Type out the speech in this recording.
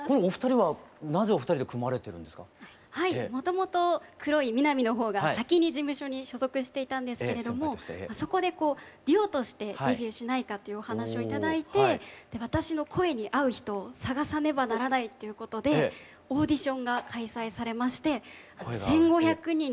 はいもともと黒いミナミの方が先に事務所に所属していたんですけれどもそこでデュオとしてデビューしないかというお話を頂いて私の声に合う人を探さねばならないっていうことでオーディションが開催されまして１，５００人の方に応募して頂き